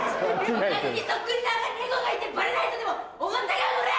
隣にそっくりなレゴがいてバレないとでも思ったかコラ！